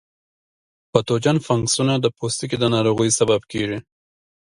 پتوجن فنګسونه د پوستکي د ناروغیو سبب کیږي.